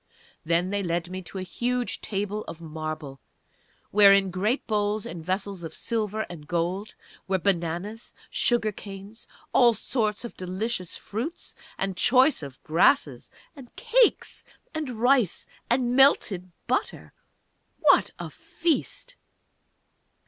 Then they led me to a huge table of marble, where in great bowls and vessels of silver and gold were bananas, sugar canes, all sorts of delicious fruits, and choice grasses and cakes and rice and melted butter.... _What a feast!